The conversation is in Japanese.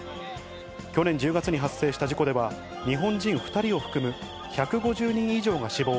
去年１０月に発生した事故では、日本人２人を含む１５０人以上が死亡。